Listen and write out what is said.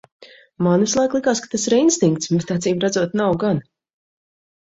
Man vislaik likās, ka tas ir instinkts, bet acīmredzot nav gan.